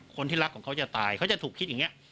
คนที่รักของเขาจะตายเขาจะถูกคิดอย่างนี้